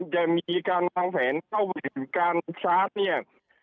จะมีการวางแผนเข้าถึงการชาร์จเนี่ย